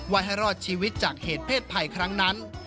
ให้รอดชีวิตจากเหตุเพศภัยครั้งนั้น